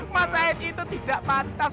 mas syahid itu tidak pantas